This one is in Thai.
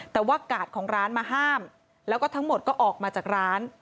แต่ว่ากาดของร้านมาห้ามแล้วก็ทั้งหมดก็ออกมาจากร้าน